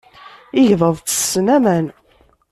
Igḍaḍ ttessen aman.